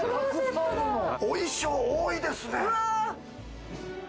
お衣装、多いですね！